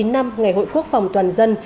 hai mươi chín năm ngày hội quốc phòng toàn dân